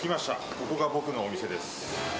ここが僕のお店です。